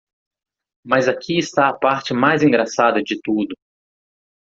Mas aqui está a parte mais engraçada de tudo.